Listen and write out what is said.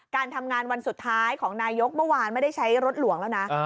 การทำงานวันสุดท้ายของนายกเมื่อวานไม่ได้ใช้รถหลวงแล้วนะ